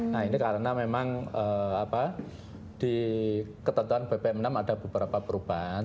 nah ini karena memang di ketentuan bpm enam ada beberapa perubahan